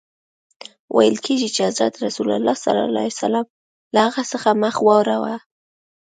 ویل کیږي چي حضرت رسول ص له هغه څخه مخ واړاوه.